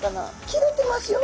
切れてますよ。